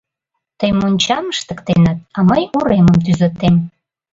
— Тый мончам ыштыктенат, а мый уремым тӱзатем.